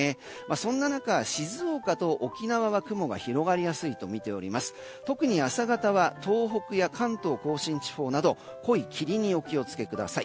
そんな中、静岡と沖縄は雲が広がりやすいとみておりまして、特に朝方は東北や関東・甲信地方など濃い霧にお気を付けください。